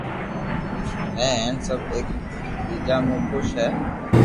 ھي ھين سب ايڪ ٻيجا مون خوݾ ھي